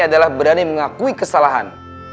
adalah berani mengakui kesalahan